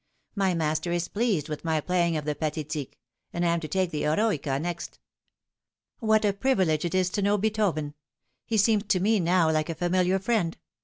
My master is pleased with my playing of the ' Pathetique,' and I am to take the ' Eroica ' next. What a privilege it is to know Beethoven ! He seems to me now like a familiar friend.